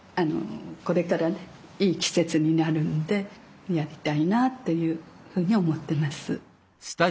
これからねいい季節になるんでやりたいなっていうふうに思ってます。